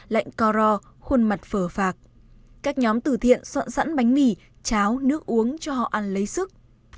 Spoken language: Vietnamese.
lạnh co ro khuôn mặt phở phạc các nhóm từ thiện soạn sẵn bánh mì cháo nước uống cho họ ăn lấy sức